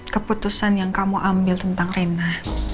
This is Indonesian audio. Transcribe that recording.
keputusan yang kamu ambil tentang rena